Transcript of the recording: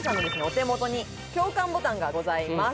お手元に共感ボタンがございます